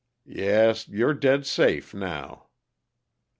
"Yes you're dead safe, now!"